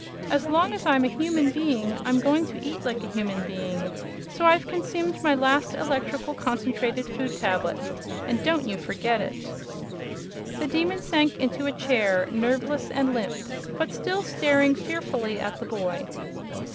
As long as I'm a human being I'm going to eat like a human being, so I've consumed my last Electrical Concentrated Food Tablet and don't you forget it!" The Demon sank into a chair, nerveless and limp, but still staring fearfully at the boy.